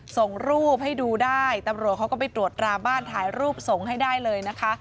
ส่งรูปให้ดูได้ตำรวจเขาก็ไปตรวจราบ้านถ่ายรูปส่งให้ได้เลยนะคะ